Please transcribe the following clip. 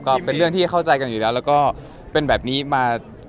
ก็เป็นเรื่องที่เข้าใจกันอยู่แล้วแล้วก็เป็นแบบนี้มา